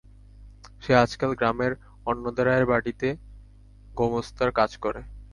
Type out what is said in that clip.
সে আজকাল গ্রামের অন্নদা রায়ের বাটীতে গোমস্তার কাজ করে।